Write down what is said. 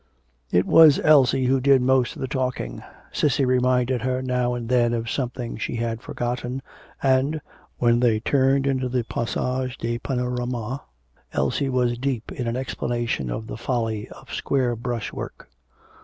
It was Elsie who did most of the talking. Cissy reminded her now and then of something she had forgotten, and, when they turned into the Passage des Panoramas, Elsie was deep in an explanation of the folly of square brush work.